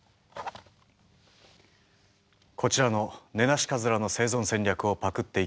こちらのネナシカズラの生存戦略をパクって生きている方です。